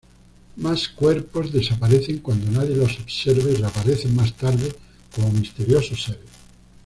Más cuerpos desaparecen cuando nadie los observa y reaparecen más tarde como misteriosos seres.